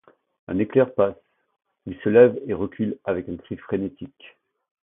Un éclair passe ; il se lève et recule avec un cri frénétique.